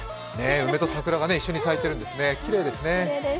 梅と桜が一緒に咲いているんですね、きれいですね。